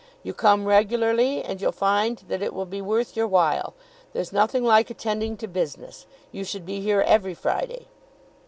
"You come regularly, and you'll find that it will be worth your while. There's nothing like attending to business. You should be here every Friday."